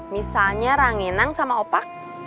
misalnya rangenang sama opak